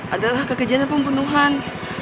adalah kekejian dan pembunuhan